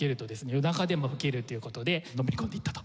夜中でも吹けるという事でのめり込んでいったと。